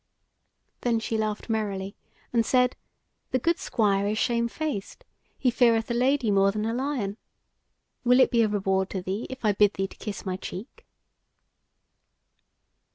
Then she laughed merrily and said: "The good Squire is shamefaced; he feareth a lady more than a lion. Will it be a reward to thee if I bid thee to kiss my cheek?"